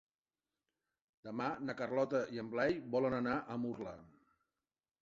Demà na Carlota i en Blai volen anar a Murla.